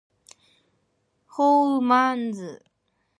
Galactorrhea can take place as a result of dysregulation of certain hormones.